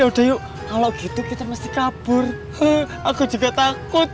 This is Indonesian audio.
ya udah yuk kalau gitu kita mesti kabur aku juga takut